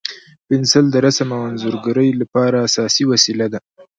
پنسل د رسم او انځورګرۍ لپاره اساسي وسیله ده.